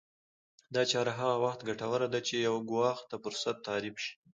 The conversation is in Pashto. دا چاره هغه وخت ګټوره ده چې يو ګواښ ته فرصت تعريف شي.